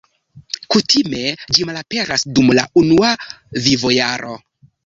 Kutime ĝi malaperas dum la unua vivojaro.